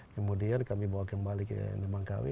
kemudian kami bawa kembali ke nemangkawi